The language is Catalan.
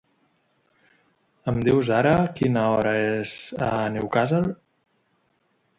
Em dius ara quina hora és a Newcastle?